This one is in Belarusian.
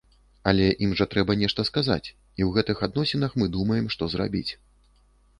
Але ім жа трэба нешта сказаць, і ў гэтых адносінах мы думаем, што зрабіць.